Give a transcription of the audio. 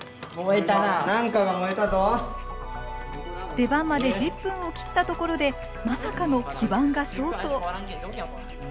出番まで１０分を切ったところでまさかの基盤がショート。